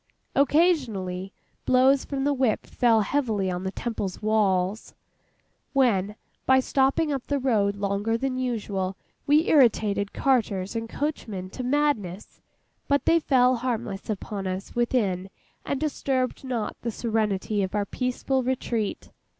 Occasionally, blows from whips fell heavily on the Temple's walls, when by stopping up the road longer than usual, we irritated carters and coachmen to madness; but they fell harmless upon us within and disturbed not the serenity of our peaceful retreat.